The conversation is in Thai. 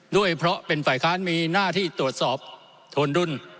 ด้วยเพราะเป็นฝ่ายค้านมีหน้าที่ตรวจสอบโทนรุ่น